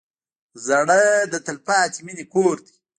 زړه د تلپاتې مینې کور دی.